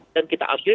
dan kita abturi